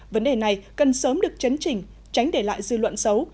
vấn đề này cần sớm được chấn chỉnh tránh để lại dư luận xấu